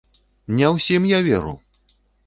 Не ўсім я веру!